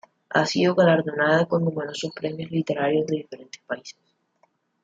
Ha sido galardonada con numerosos premios literarios de diferentes países.